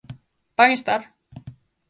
¿Van estar?